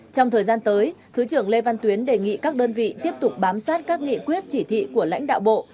trong thời gian tới thứ trưởng lê văn tuyến đề nghị các đơn vị tiếp tục bám sát các nghị quyết chỉ thị của lãnh đạo bộ